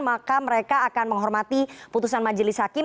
maka mereka akan menghormati putusan majelis hakim